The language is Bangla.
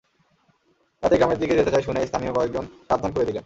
রাতে গ্রামের দিকে যেতে চাই শুনেই স্থানীয় কয়েকজন সাবধান করে দিলেন।